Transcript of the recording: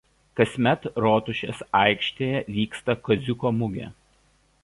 Kasmet Rotušės aikštėje vyksta Kaziuko mugė.